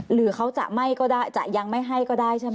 หรือเขาจะยังไม่ให้ก็ได้ใช่ไหม